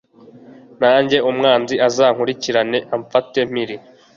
nanjye umwanzi azankurikirane amfate mpiri